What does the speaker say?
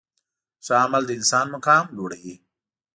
ښه عمل د انسان مقام لوړوي.